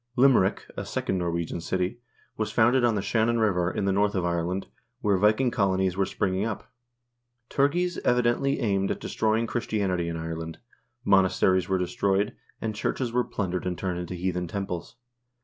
Lim erick, a second Norwegian city, was founded on the Shannon River, in the north of Ireland, where Viking colonies were springing up. Turgeis evidently aimed at destroying Christianity in Ireland ; monasteries were destroyed, and churches were plundered and turned into heathen temples.